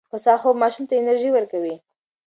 هوسا خوب ماشوم ته انرژي ورکوي.